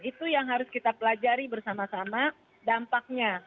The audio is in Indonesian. itu yang harus kita pelajari bersama sama dampaknya